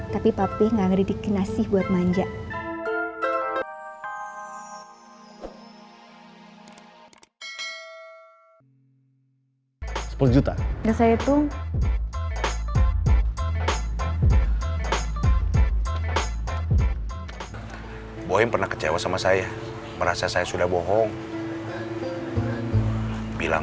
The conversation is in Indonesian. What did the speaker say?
tapi papi gak ngeri dikawal